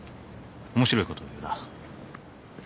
面白いことを言うな。